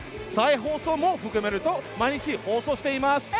再放送も含めると毎日放送しています！